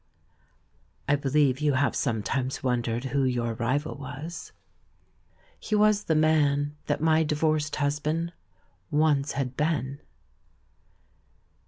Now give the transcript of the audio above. I believe you have sometimes wondered who your rival was. He was the man that my di vorced husband once had been.